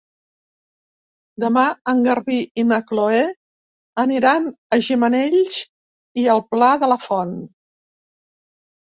Demà en Garbí i na Chloé aniran a Gimenells i el Pla de la Font.